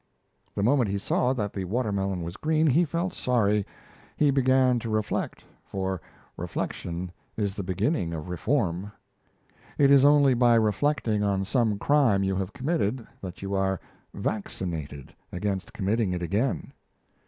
The moment he saw that the water melon was green, he felt sorry. He began to reflect for reflection is the beginning of reform. It is only by reflecting on some crime you have committed, that you are "vaccinated" against committing it again.